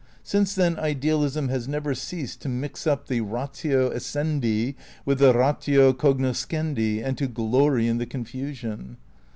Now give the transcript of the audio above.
Since then IdeaUsm has never ceased to mix up the ratio essendi with the ratio cognoscendi and to glory in the confusion.